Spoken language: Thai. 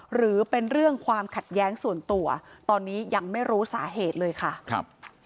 หรือเป็นเรื่องความขัดแย้งส่วนตัวตอนนี้ยังไม่รู้สาเหตุเลยค่ะครับ